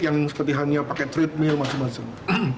yang seperti hanya pakai treadmill masing masing